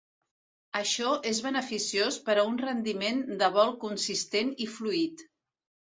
Això és beneficiós per a un rendiment de vol consistent i fluït.